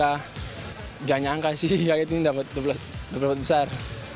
jangan nyangka sih hari ini dapat dua belas besar